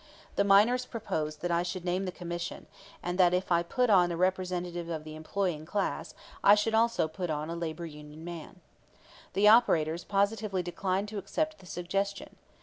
The miners proposed that I should name the Commission, and that if I put on a representative of the employing class I should also put on a labor union man. The operators positively declined to accept the suggestion.